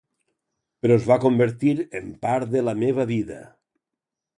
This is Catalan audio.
Però es va convertir en part de la meva vida.